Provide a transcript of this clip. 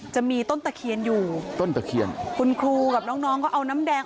จะมีต้นตะเขียนอยู่คุณครูกับน้องก็เอาน้ำแดง